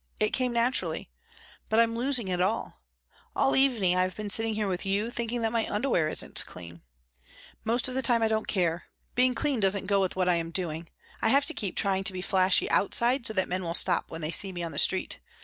It came naturally. But I'm losing it all. All evening I have been sitting here with you thinking that my underwear isn't clean. Most of the time I don't care. Being clean doesn't go with what I am doing. I have to keep trying to be flashy outside so that men will stop when they see me on the street.